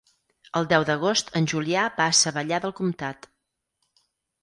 El deu d'agost en Julià va a Savallà del Comtat.